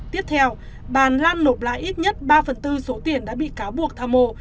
tiếp theo bàn lan nộp lại ít nhất ba phần tư số tiền đã bị cáo buộc tha mô